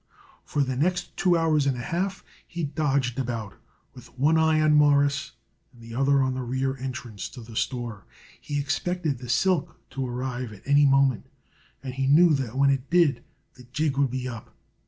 For the next two hours and a half he dodged about, with one eye on Morris and the other on the rear entrance to the store. He expected the silk to arrive at any moment, and he knew that when it did the jig would be up.